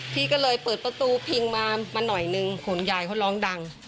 พี่ก็เลยเปิดประตูพิงมาหน่อยนึงขนยายเขาร้องดัง